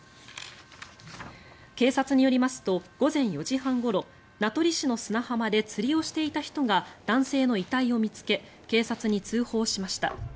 警察によりますと午前４時半ごろ名取市の砂浜で釣りをしていた人が男性の遺体を見つけ警察に通報しました。